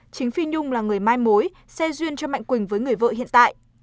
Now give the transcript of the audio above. chính phi nhung là người mai mối xe duyên cho mạnh quỳnh với người vợ hiện tại